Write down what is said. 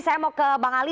saya mau ke bang ali